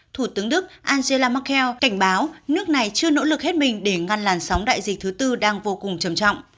thủ tướng đức angela makeel cảnh báo nước này chưa nỗ lực hết mình để ngăn làn sóng đại dịch thứ tư đang vô cùng trầm trọng